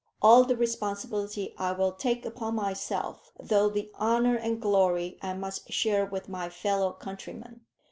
All the responsibility I will take upon myself, though the honour and glory I must share with my fellow countrymen.